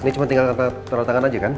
ini cuma tinggal tanda tangan aja kan